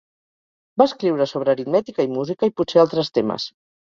Va escriure sobre aritmètica i música i potser altres temes.